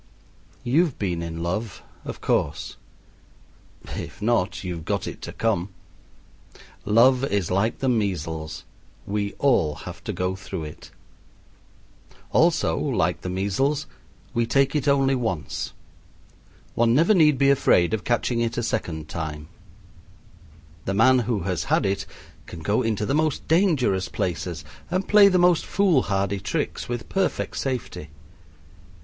You've been in love, of course! If not you've got it to come. Love is like the measles; we all have to go through it. Also like the measles, we take it only once. One never need be afraid of catching it a second time. The man who has had it can go into the most dangerous places and play the most foolhardy tricks with perfect safety.